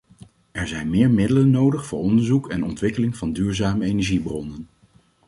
Er zijn meer middelen nodig voor onderzoek en ontwikkeling van duurzame energiebronnen.